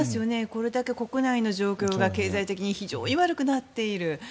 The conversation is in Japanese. これだけ国内の状況が経済的に非常に悪くなっている。